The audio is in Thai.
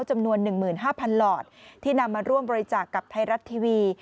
จำนวน๑๕๐๐หลอดที่นำมาร่วมบริจาคกับไทยรัฐทีวี